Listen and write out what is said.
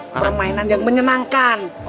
permainan yang menyenangkan